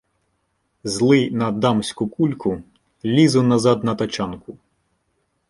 Злий на "дамську" кульку, лізу назад на тачанку.